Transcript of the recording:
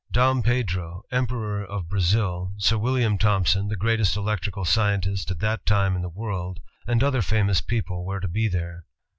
Dom Pedro, Emperor of Brazil, Sir William Thompson, the greatest electrical scientist at that time in the world, and other famous people were to be there.